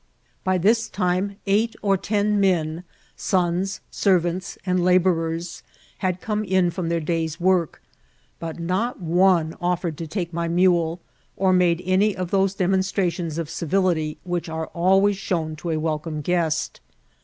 By this time eight or ten men, sons, servants, and labourers, had come in from their day's work, but not one offered to take my mule, or made any of those demonstrations of civility which are always diown to a welcome guest.